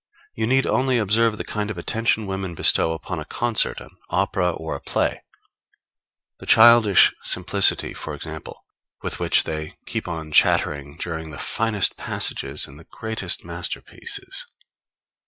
You need only observe the kind of attention women bestow upon a concert, an opera, or a play the childish simplicity, for example, with which they keep on chattering during the finest passages in the greatest masterpieces.